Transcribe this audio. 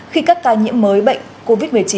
khi các ca nhiễm mới bệnh covid một mươi chín